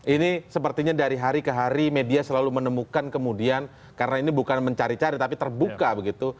ini sepertinya dari hari ke hari media selalu menemukan kemudian karena ini bukan mencari cari tapi terbuka begitu